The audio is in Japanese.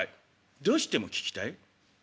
「どうしても聞きたい」。